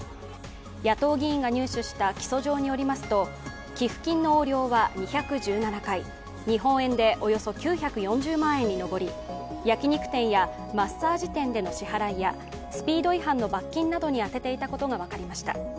野党議員が入手した起訴状によりますと、寄付金の横領は２１７回日本円でおよそ９４０万円に上り、焼き肉店やマッサージ店での支払いやスピード違反の罰金などに充てていたことが分かりました。